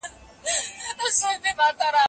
ايا ته د بېلابېلو ګوندونو ترمنځ توپير کولای سې؟